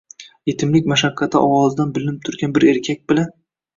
yetimlik mashaqqati ovozidan bilinib turgan bir erkak bilan